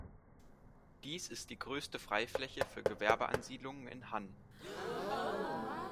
Dies ist die größte Freifläche für Gewerbeansiedlungen in Hann.